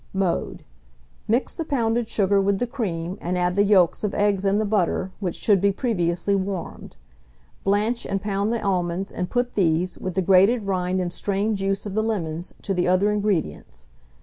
Mode. Mix the pounded sugar with the cream, and add the yolks of eggs and the butter, which should be previously warmed. Blanch and pound the almonds, and put these, with the grated rind and strained juice of the lemons, to the other ingredients.